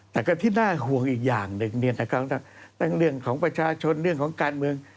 แต่ก็ที่น่าห่วงอีกอย่างหนึ่งทั้งเรื่องของประชาชนเรื่องของการเมือง